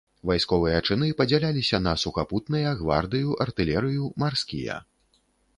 Вайсковыя чыны падзяляліся на сухапутныя, гвардыю, артылерыю, марскія.